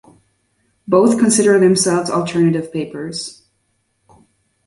Both consider themselves alternative papers.